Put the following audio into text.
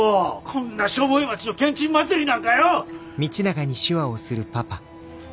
こんなしょぼい町のけんちん祭りなんかよ！